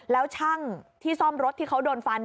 แล้วช่างที่ซ่อมรถที่เขาโดนฟัน